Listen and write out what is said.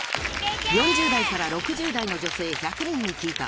４０代から６０代の女性１００人に聞いた！